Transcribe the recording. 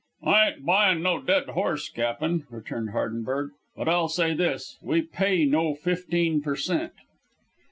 "I ain't buyin' no dead horse, Cap'n," returned Hardenberg, "but I'll say this: we pay no fifteen per cent."